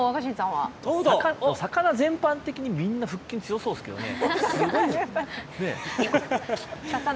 魚、全般的にみんな腹筋強そうですけどね。